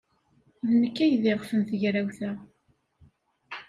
D nekk ay d iɣef n tegrawt-a.